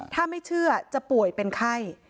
ถ้าไม่เชื่อจะป่วยเป็นไข้